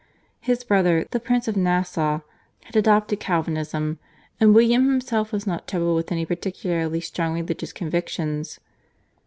His brother, the Prince of Nassau, had adopted Calvinism, and William himself was not troubled with any particularly strong religious convictions.